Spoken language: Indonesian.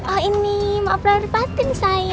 oh ini mau perlepatin sayang